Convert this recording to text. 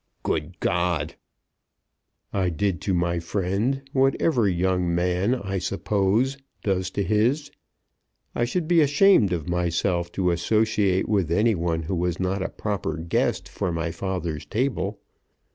"Good God!" "I did to my friend what every young man, I suppose, does to his. I should be ashamed of myself to associate with any one who was not a proper guest for my father's table.